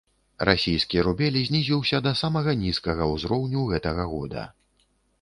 Расійскі рубель знізіўся да самага нізкага ўзроўню гэтага года.